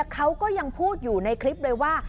เขาก็ยังพูดอยู่ในคลิปเลยว่า